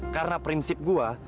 karena prinsip gua